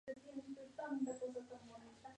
Ernst Albrecht